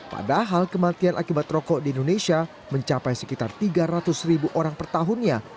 padahal kematian akibat rokok di indonesia mencapai sekitar tiga ratus ribu orang per tahunnya